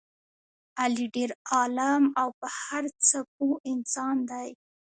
علي ډېر عالم او په هر څه پوه انسان دی.